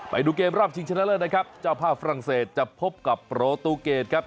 ไปดูเกมรอบชิงชนะเลิศนะครับเจ้าภาพฝรั่งเศสจะพบกับโปรตูเกตครับ